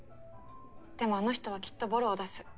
でもあの人はきっとボロを出す。